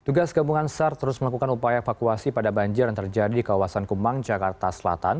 tugas gabungan sar terus melakukan upaya evakuasi pada banjir yang terjadi di kawasan kemang jakarta selatan